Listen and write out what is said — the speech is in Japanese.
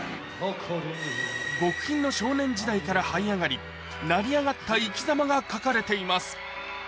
極貧の少年時代からはい上がり、成り上がった生き様が書かれています。